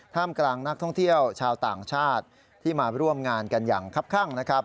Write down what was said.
กลางนักท่องเที่ยวชาวต่างชาติที่มาร่วมงานกันอย่างคับข้างนะครับ